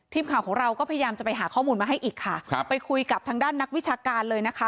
ทีมข่าวของเราก็พยายามจะไปหาข้อมูลมาให้อีกค่ะครับไปคุยกับทางด้านนักวิชาการเลยนะคะ